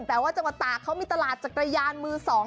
แต่ว่าจังหวัดตากเขามีตลาดจักรยานมือสอง